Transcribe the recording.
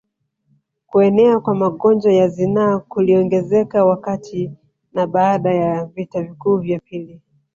Kuenea kwa magonjwa ya zinaa kuliongezeka wakati na baada ya vita vikuu vya pili